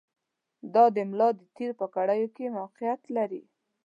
دا د ملا د تېر په کړیو کې موقعیت لري.